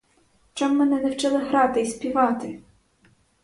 Чом мене не вчили грати й співати?